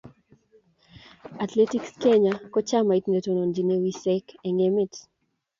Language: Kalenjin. Athletics Kenya Ko chamait netonontochine wiseek eng emet.